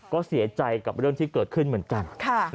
ก็เสียใจกับเรื่องที่เกิดขึ้นเหมือนกัน